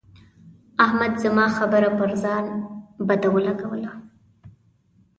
احمد زما خبره پر ځان بده ولګوله.